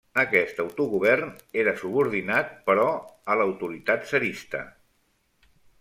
Aquest autogovern era subordinat, però, a l'autoritat tsarista.